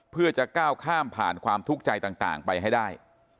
เพื่อจะก้าวข้ามผ่านความทุกข์ใจต่างไปให้ได้